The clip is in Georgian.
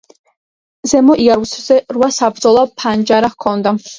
ზემო იარუსზე რვა საბრძოლო ფანჯარა ჰქონდა.